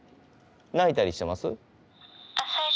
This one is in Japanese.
泣いたりしてます？